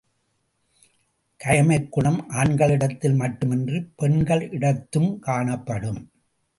கயமைக்குணம் ஆண்களிடத்தில் மட்டுமின்றி பெண்களிடத்துங் காணப்படும்.